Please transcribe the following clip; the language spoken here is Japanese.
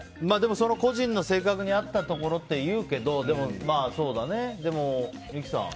個人の性格に合ったところっていうけどでも、三木さん。